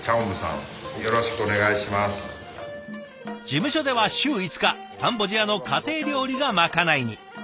事務所では週５日カンボジアの家庭料理がまかないに。